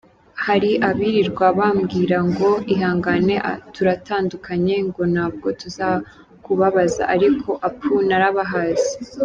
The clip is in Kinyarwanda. Hari abirirwa bambwira ngo ihangane turatandukanye! Ngo ntabwo tuzakubabaza, ariko apuuu narabahaze!”.